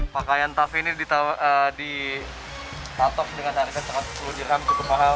pakaian taff ini ditatok dengan harga tiga puluh dirham cukup mahal